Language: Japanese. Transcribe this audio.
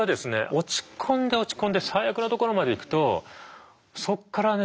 落ち込んで落ち込んで最悪のところまでいくとそっからね